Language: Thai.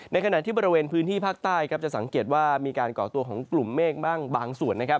ในขณะที่บริเวณพื้นที่ภาคใต้ครับจะสังเกตว่ามีการก่อตัวของกลุ่มเมฆบ้างบางส่วนนะครับ